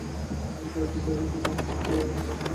তিনি তাঁর পিতা হুসেন বকশকে হারান।